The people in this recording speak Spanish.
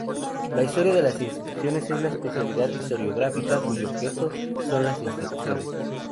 La Historia de las Instituciones es la especialidad historiográfica cuyo objeto son las instituciones.